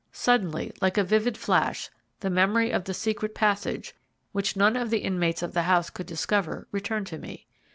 Suddenly, like a vivid flash, the memory of the secret passage, which none of the inmates of the house could discover, returned to me.